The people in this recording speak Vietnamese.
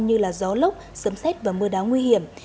như gió lốc sấm xét và mưa đá nguy hiểm